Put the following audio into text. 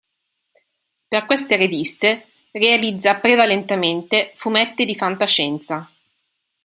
Per queste riviste realizza prevalentemente fumetti di fantascienza.